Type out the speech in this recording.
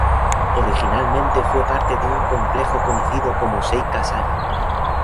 Originalmente fue parte de un complejo conocido como Sei Casali.